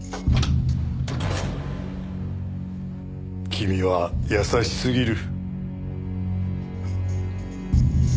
君は優しすぎる。